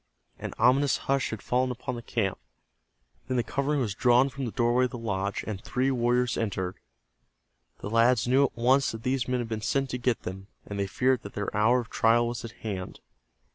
An ominous hush had fallen upon the camp. Then the covering was drawn from the doorway of the lodge, and three warriors entered. The lads knew at once that these men had been sent to get them, and they feared that their hour of trial was at hand.